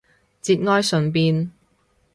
節哀順變